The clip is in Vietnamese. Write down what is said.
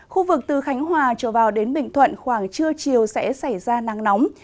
khu vực từ khánh hòa trở vào đến bình thuận khoảng trưa chiều sẽ xảy ra nắng nóng